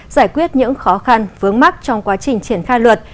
giải quyết những khó khăn vướng mắt trong quá trình triển khai luật